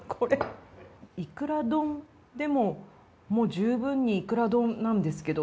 イクラ丼でももう十分にイクラ丼なんですけど。